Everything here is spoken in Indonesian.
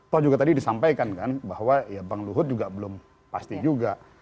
toh juga tadi disampaikan kan bahwa ya bang luhut juga belum pasti juga